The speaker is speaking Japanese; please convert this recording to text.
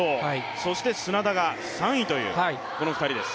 そして砂田が３位という、この２人です。